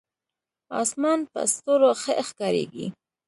اسمان په ستورو ښه ښکارېږي.